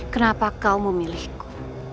kenapa kau memilihku